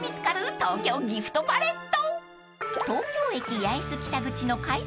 東京ギフトパレット］